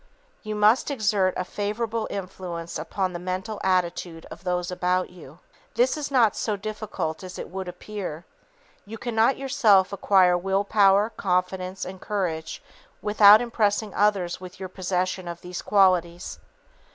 You must exert a favorable influence upon the mental attitude of those about you. This is not so difficult as it would appear. You cannot yourself acquire will power, confidence and courage without impressing others with your possession of these qualities.